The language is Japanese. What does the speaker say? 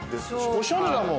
おしゃれだもん。